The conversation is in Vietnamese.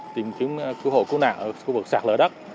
tìm kiếm cứu hộ cứu nạn